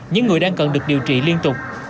những người đang cần được điều trị liên tục